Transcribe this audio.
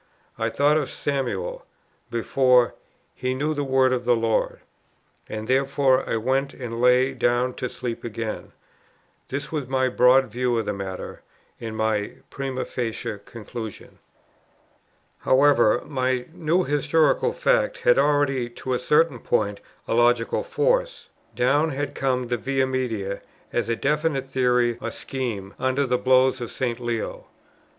I thought of Samuel, before "he knew the word of the Lord;" and therefore I went, and lay down to sleep again. This was my broad view of the matter, and my primâ facie conclusion. However, my new historical fact had already to a certain point a logical force. Down had come the Via Media as a definite theory or scheme, under the blows of St. Leo.